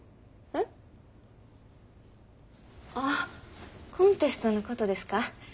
えっ？ああコンテストのことですか？